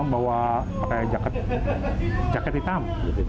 bawa pakai jaket hitam